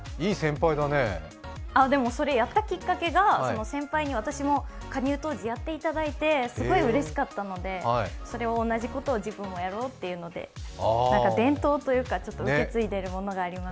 でもそれやったきっかけが先輩が私も加入当時やっていただいてすごいうれしかったので同じことを自分もやろうということで伝統というか、受け継いでいるものがあります。